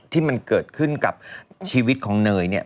ที่มันเกิดขึ้นกับชีวิตของเนยเนี่ย